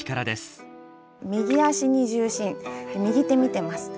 右足に重心右手見てます。